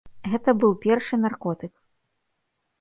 Гэта быў першы наркотык.